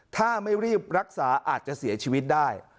ถ้าไม่รีบรักษาอาจจะเสียชีวิตได้